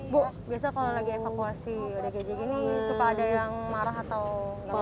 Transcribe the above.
bu biasa kalau lagi evakuasi odgj gini suka ada yang marah atau enggak mau